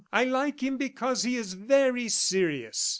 "I like him because he is very serious.